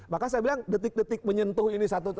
maka saya bilang detik detik menyentuh ini satu